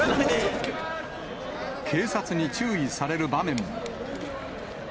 警察に注意される場面も。